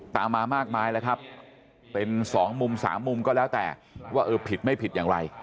ตามมามากมายแล้วครับเป็นสองมุมสามมุมก็แล้วแต่ว่าเออผิดไม่ผิดอย่างไร